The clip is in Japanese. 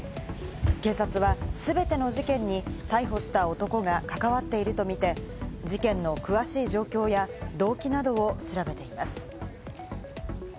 警察は全ての事件に逮捕した男が関わっているとみて事件の詳しい状況や動機などを調べています。